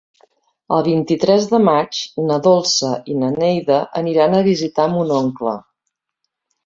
El vint-i-tres de maig na Dolça i na Neida aniran a visitar mon oncle.